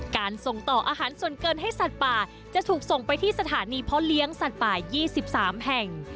การส่งต่ออาหารส่วนเกินให้สัตว์ป่าจะถูกส่งไปที่สถานีเพาะเลี้ยงสัตว์ป่า๒๓แห่ง